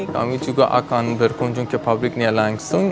kami juga akan berkunjung ke pabriknya langsung